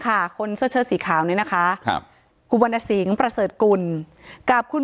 ค่ะคนเสื้อเชื้อสีขาวนี้นะคะคุณวรรณสีงประเสริฐกุลกับคุณ